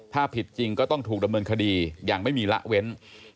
ถ้าผิดจริงก็ต้องถูกดำเนินคดีอย่างไม่มีละเว้น